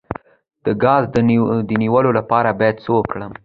د ګاز د نیولو لپاره باید څه وکړم؟